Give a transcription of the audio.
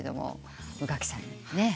宇垣さんに。